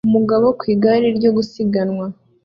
umugabo ku igare ryo gusiganwa